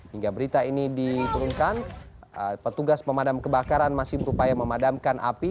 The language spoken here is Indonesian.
hingga berita ini diturunkan petugas pemadam kebakaran masih berupaya memadamkan api